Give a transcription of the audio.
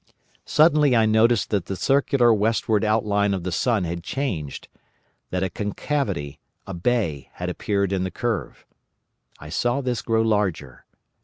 "Suddenly I noticed that the circular westward outline of the sun had changed; that a concavity, a bay, had appeared in the curve. I saw this grow larger.